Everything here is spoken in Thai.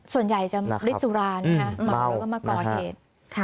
ส่วนใหญ่จะหมดฤทธิ์สุรานะครับหมดแล้วก็มาก่อนเหตุ